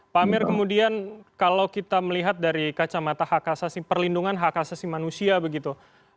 pak amir kemudian kalau kita melihat dari kacamata hak asasi perlindungan hak asasi manusia begitu